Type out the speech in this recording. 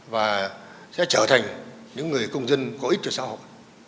và sẽ trở thành những người công dân có ích cho xã hội